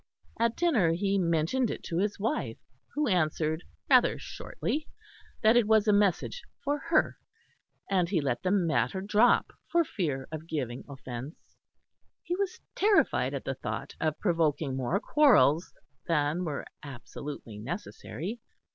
At dinner he mentioned it to his wife, who answered rather shortly that it was a message for her; and he let the matter drop for fear of giving offence; he was terrified at the thought of provoking more quarrels than were absolutely necessary.